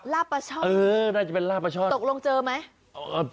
ลาปลาชอดตกลงเจอไหม